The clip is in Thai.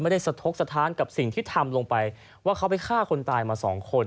สะทกสะท้านกับสิ่งที่ทำลงไปว่าเขาไปฆ่าคนตายมาสองคน